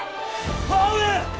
母上！